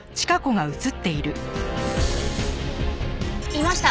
いました！